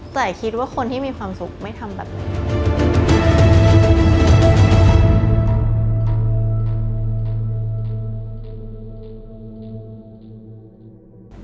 แต่คิดว่าคนที่มีความสุขไม่ทำแบบนี้